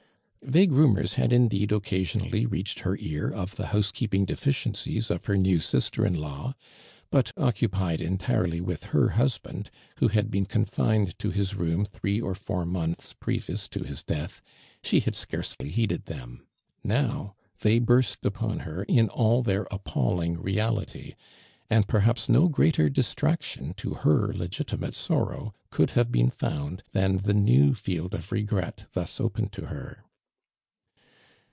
Vague rumors had indeed occ^isionally reached her ear of the housekeoiiing deficiencies of her new sister in law, but occupied entire ly with her husband, who had been confined to liis room three or four months previous to liis death, she had scarcely heeded them. Now, they burst upon her in all their ap palling reality, and perhaps no greater dis traction to her legitimate .sorrow could have been found than the new Held of regret thus opene'l to her.